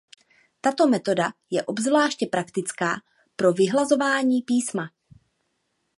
Tato metoda je obzvláště praktická pro vyhlazování písma.